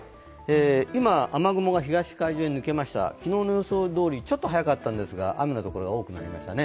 今、雨雲が東海上に抜けました、昨日の予想どおりちょっと早かったんですが雨のところが多くなりましたね